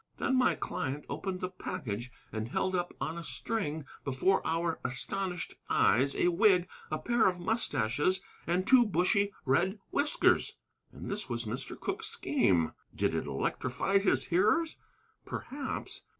Then my client opened the package, and held up on a string before our astonished eyes a wig, a pair of moustaches, and two bushy red whiskers. And this was Mr. Cooke's scheme! Did it electrify his hearers? Perhaps.